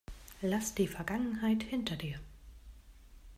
Lass die Vergangenheit hinter dir.